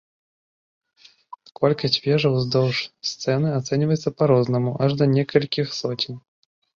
Колькасць вежаў уздоўж сцены ацэньваецца па-рознаму, аж да некалькіх соцень.